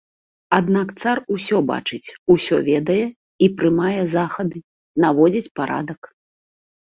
Аднак цар усё бачыць, усё ведае і прымае захады, наводзіць парадак.